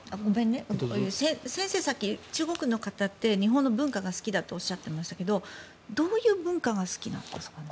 先生、さっき中国の方って日本の文化が好きだとおっしゃってましたけどどういう文化が好きなんですかね？